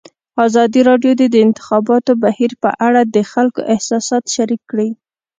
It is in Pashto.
ازادي راډیو د د انتخاباتو بهیر په اړه د خلکو احساسات شریک کړي.